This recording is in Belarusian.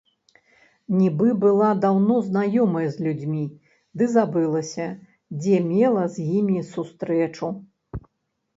Нібы была даўно знаёмая з людзьмі, ды забылася, дзе мела з імі сустрэчу.